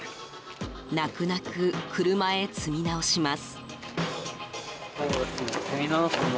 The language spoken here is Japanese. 泣く泣く車へ積み直します。